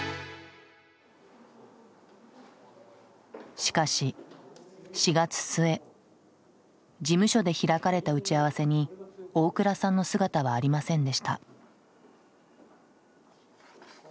しかし４月末事務所で開かれた打ち合わせに大倉さんの姿はありませんでした。